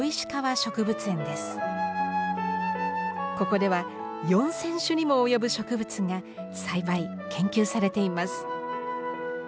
ここでは４，０００種にも及ぶ植物が栽培研究されています。